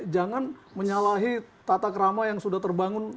jangan menyalahi tata kerama yang sudah terbangun